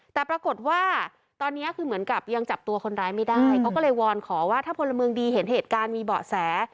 แต่ปรากฏว่าตอนนี้คือเหมือนกับยังจับตัวคนร้ายไม่ได้เขาก็เลยวอนขอว่าถ้าพลเมืองดีเห็นเหตุการณ์มีเบาะแส